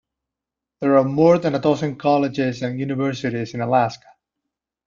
There are more than a dozen colleges and universities in Alaska.